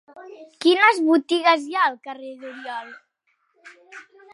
Quines botigues hi ha al carrer d'Oriol?